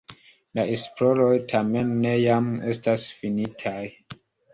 La esploroj tamen ne jam estas finitaj.